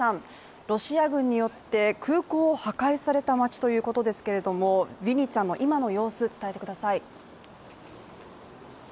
ロシア軍によって、空港を破壊された街ということですけども、ウクライナの今の状況を伝えてください。